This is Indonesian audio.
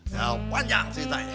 ya panjang ceritanya